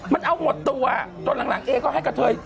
มันเอาหมดตัวจนหลังเอก็ให้กระเทย